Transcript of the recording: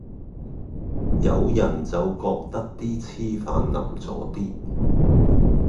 有人就覺得啲黐飯淋咗啲